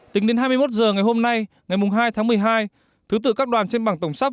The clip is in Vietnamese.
tính đến hai mươi một h ngày hôm nay ngày hai tháng một mươi hai thứ tự các đoàn trên bảng tổng sắp